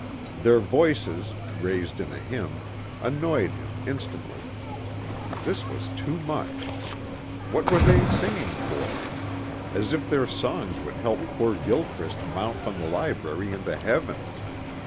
Their voices, raised in a hymn, annoyed him instantly. This was too much. What were they singing for? As if their songs would help poor Gilchrist mount from the library into heaven.